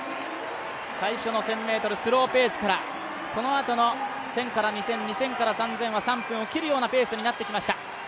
最初の１０００ｍ、スローペースからそのあとの１０００から２０００２０００から３０００は３分を切るようなペースになってきました。